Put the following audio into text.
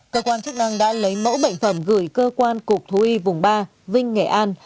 cơ quan chức năng đã lấy mẫu bệnh phẩm gửi cơ quan cục thú y vùng ba vinh nghệ an